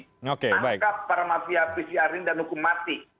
tangkap para mafia pcr ini dan hukum mati